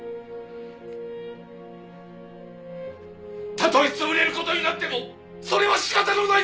たとえ潰れる事になってもそれは仕方のない事なんだ！